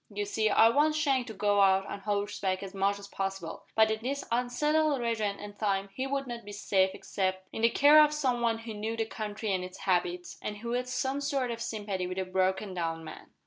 You see, I want Shank to go out on horseback as much as possible, but in this unsettled region and time he would not be safe except in the care of some one who knew the country and its habits, and who had some sort of sympathy with a broken down man."